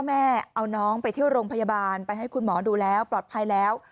แม่เอาน้องไปเที่ยวโรงพยาบาลไปให้คุณหมอดูแล้วปลอดภัยแล้ว